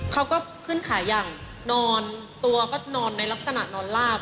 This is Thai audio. เขาก็ขึ้นขายังนอนตัวก็นอนในลักษณะนอนลาบ